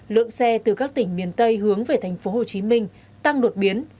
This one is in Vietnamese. lượng xe từ các tỉnh miền tây hướng về thành phố hồ chí minh tăng đột biến